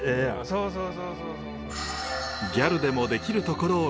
そうそう。